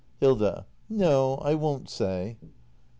Hilda. No, I won't say.